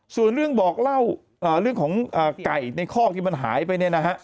ส่วนเรื่องบอกเล่าเรื่องของไก่ในข้อที่มันหายไป